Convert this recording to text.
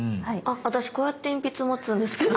私こうやって鉛筆を持つんですけど。